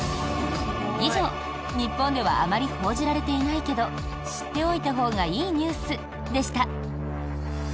以上、日本ではあまり報じられていないけど知っておいたほうがいいニュースでした。